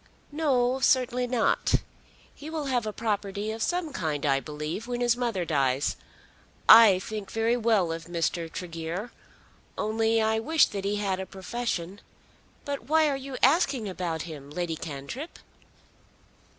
"No; certainly not. He will have a property of some kind, I believe, when his mother dies. I think very well of Mr. Tregear; only I wish that he had a profession. But why are you asking about him, Lady Cantrip?"